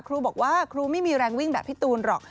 ครูบอกว่าครูไม่มีแรงวิ่งแบบพี่ตูนหรอก